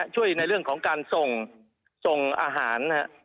ในเรื่องของการส่งส่งอาหาร